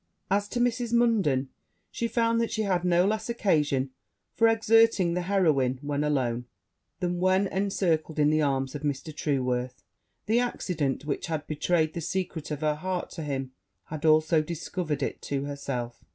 As to Mrs. Munden, she found that she had no less occasion for exerting the heroine when alone, than when encircled in the arms of Mr. Trueworth: the accident which had betrayed the secret of her heart to him had also discovered it to herself.